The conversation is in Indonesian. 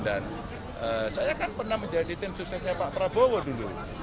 dan saya kan pernah menjadi tim suksesnya pak prabowo dulu